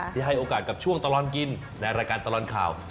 ให้โอกาสกับช่วงตลอดกินในรายการตลอดข่าว